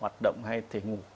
hoạt động hay thể ngủ